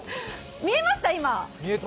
見えました今？